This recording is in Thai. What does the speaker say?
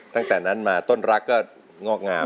ตั้งแต่นั้นมาต้นรักก็งอกงาม